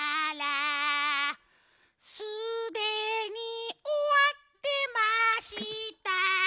「すでに終わってました」